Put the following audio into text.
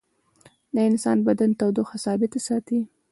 د انسان بدن تودوخه ثابته ساتي